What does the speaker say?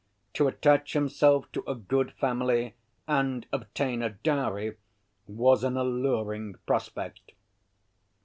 To attach himself to a good family and obtain a dowry was an alluring prospect.